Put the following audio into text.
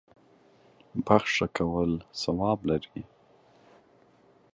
بخښه کول ثواب لري.